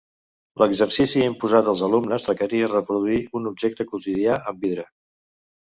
L'exercici imposat als alumnes requeria reproduir un objecte quotidià en vidre.